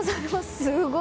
すごい！